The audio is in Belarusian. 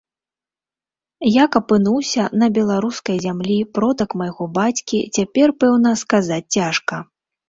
Як апынуўся на беларускай зямлі продак майго бацькі, цяпер пэўна сказаць цяжка.